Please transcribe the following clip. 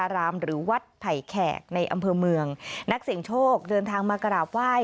รามหรือวัดไผ่แขกในอำเภอเมืองนักเสียงโชคเดินทางมากราบไหว้